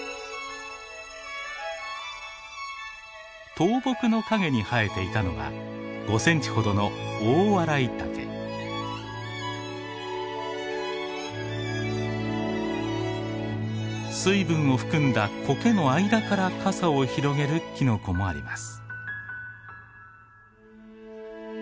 倒木の陰に生えていたのは５センチほどの水分を含んだコケの間からカサを広げるキノコもあります。